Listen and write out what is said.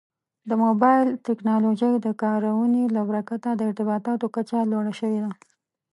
د موبایل ټکنالوژۍ د کارونې له برکته د ارتباطاتو کچه لوړه شوې ده.